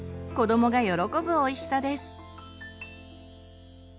子どもが喜ぶおいしさです。